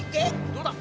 どうだ？